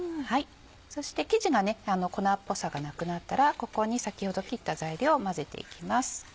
そして生地が粉っぽさがなくなったらここに先ほど切った材料を混ぜていきます。